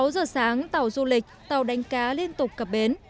sáu giờ sáng tàu du lịch tàu đánh cá liên tục cập bến